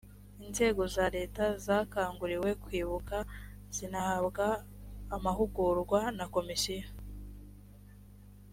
inzego za leta zakanguriwe kwibuka zinahabwa amahugurwa na komisiyo